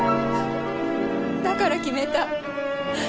だから決めた。